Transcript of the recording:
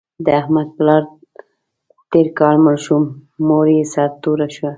د احمد پلار تېر کال مړ شو، مور یې سرتوره شوه.